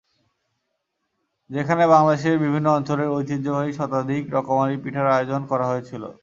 যেখানে বাংলাদেশের বিভিন্ন অঞ্চলের ঐতিহ্যবাহী শতাধিক রকমারি পিঠার আয়োজন করা হয়েছিল।